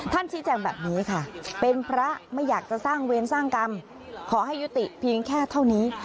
ชี้แจงแบบนี้ค่ะเป็นพระไม่อยากจะสร้างเวรสร้างกรรมขอให้ยุติเพียงแค่เท่านี้